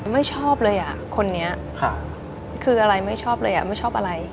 ไม่ชอบเลยอ่ะคนนี้คืออะไรไม่ชอบเลยอ่ะไม่ชอบอะไร